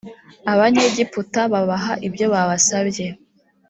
abanyegiputa babaha ibyo babasabye